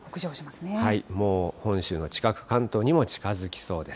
もう本州の近く、関東にも近づきそうです。